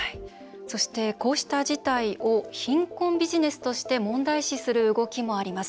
そして、こうした事態を貧困ビジネスとして問題視する動きもあります。